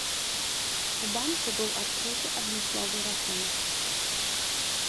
У банку быў адкрыты адмысловы рахунак.